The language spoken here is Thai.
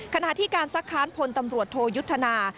ขณะที่การซักค้านพลตำรวจโทยุทธนา